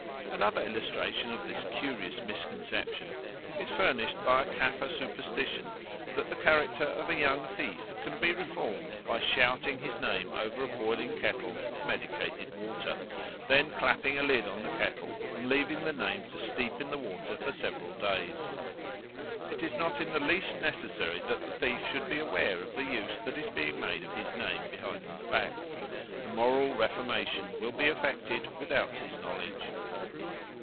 Another illustration of this curious misconception is furnished by a Caffre superstition that the character of a young thief can be reformed by shouting his name over a boiling kettle of medicated water, then clapping a lid on the kettle and leaving the name to steep in the water for several days. It is not in the least necessary that the thief should be aware of the use that is being made of his name behind his back; the moral reformation will be effected without his knowledge.